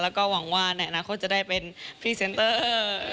แล้วก็หวังว่าในอนาคตจะได้เป็นพรีเซนเตอร์